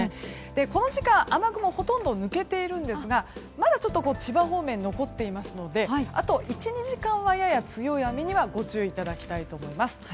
この時間、ほとんど雨雲は抜けているんですがまだ、ちょっと千葉方面に残っていますのであと１２時間はやや強い雨にはご注意いただきたいと思います。